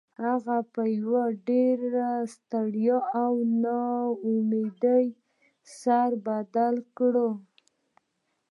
هغه په یو ډیر ستړي او ناامیده سړي بدل شو